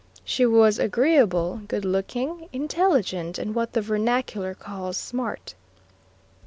She was agreeable, good looking, intelligent, and what the vernacular calls "smart."